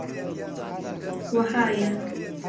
وەهایە: